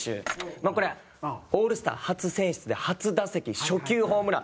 まあ、これはオールスター初選出で初打席、初球ホームラン。